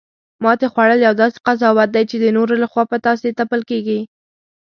ماتې خوړل یو داسې قضاوت دی، چی د نورو لخوا په تاسې تپل کیږي